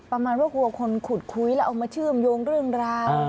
ประมาณว่ากลัวคนขุดคุยแล้วเอามาเชื่อมโยงเรื่องราว